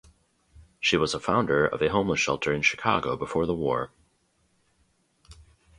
She was a founder of a homeless shelter in Chicago before the war.